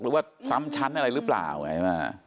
หรือว่าซ้ำชั้นอะไรหรือเปล่าไงใช่ไหม